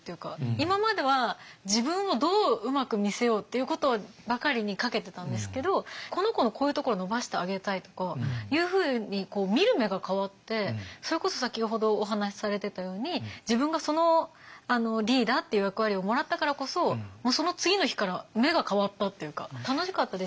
今までは自分をどううまく見せようっていうことばかりにかけてたんですけどこの子のこういうところを伸ばしてあげたいとかいうふうに見る目が変わってそれこそ先ほどお話しされてたように自分がそのリーダーっていう役割をもらったからこそもう次の日から目が変わったっていうか楽しかったです。